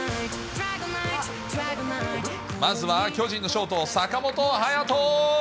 まずは巨人のショート、坂本勇人。